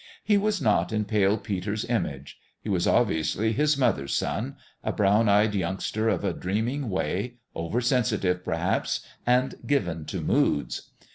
He was not in Pale Peter's image ; he was obviously his mother's son a brown eyed youngster, of a dreaming way, oversensitive, perhaps, and given to moods.